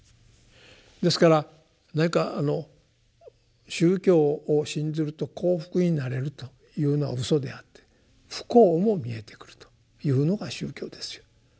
ですから何か宗教を信ずると幸福になれるというのはうそであって不幸も見えてくるというのが宗教ですよ。